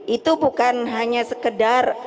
itu bukan hanya sekedar